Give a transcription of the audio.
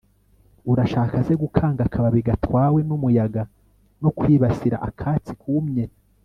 urashaka se gukanga akababi gatwawe n'umuyaga, no kwibasira akatsi kumye